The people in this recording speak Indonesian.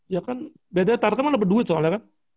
ya kan biasanya tarkam kan dapat duit soalnya kan